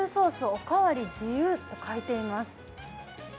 おかわり自由って書いてあります。